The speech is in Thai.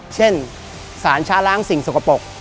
เช่นสารช้าล้างสิ่งสกปรก